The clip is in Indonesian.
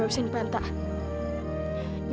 aku harus pergi